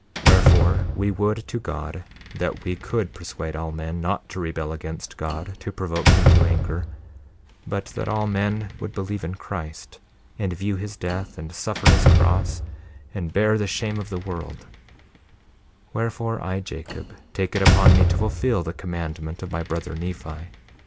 1:8 Wherefore, we would to God that we could persuade all men not to rebel against God, to provoke him to anger, but that all men would believe in Christ, and view his death, and suffer his cross and bear the shame of the world; wherefore, I, Jacob, take it upon me to fulfil the commandment of my brother Nephi.